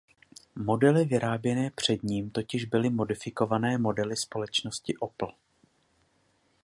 Modely vyráběné před ním totiž byly modifikované modely společnosti Opel.